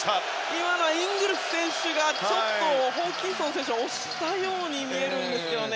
今のはイングルス選手がホーキンソン選手を押したように見えるんですね。